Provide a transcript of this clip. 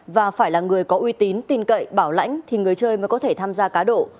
và phải là người có uy tín tin cậy bảo lãnh thì người chơi mới có thể tham gia cá độ